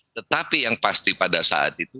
tetapi yang pasti pada saat itu